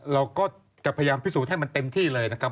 เราก็จะพยายามพรีสูจน์ให้เต็มที่เลย